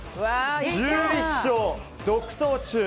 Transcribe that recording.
１１勝、独走中。